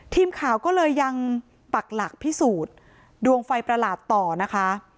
ทีมข่าวก็เลยยังปักหลักพิสูจน์ดวงไฟประหลาดต่อนะคะ